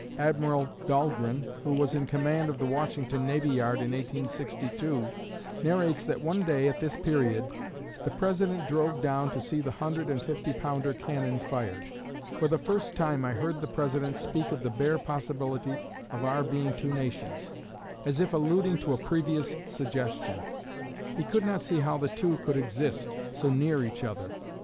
Admiral Dahlgren, who was in command of the Washington navy yard in 1862, narrates that one day, at this period, "the President drove down to see the hundred and fifty pounder cannon fired. For the first time I heard the President speak of the bare possibility of our being two nations as if alluding to a previous suggestion. He could not see how the two could exist so near each other.